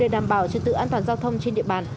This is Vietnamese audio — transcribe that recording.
để đảm bảo trật tự an toàn giao thông trên địa bàn